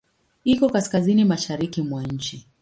Iko Kaskazini mashariki mwa nchi.